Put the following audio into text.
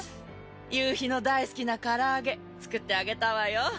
夕日の大好きな唐揚げ作ってあげたわよ。